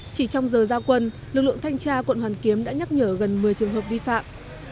chỉ trong giờ giao quân lực lượng thanh tra quận hoàn kiếm đã nhắc nhở gần một mươi trường hợp vi phạm